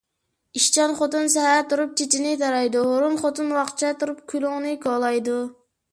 ئىشچان خوتۇن سەھەر تۇرۇپ چېچىنى تارايدۇ، ھۇرۇن خوتۇن ۋاقچە تۇرۇپ كۈلۈڭنى كولايدۇ.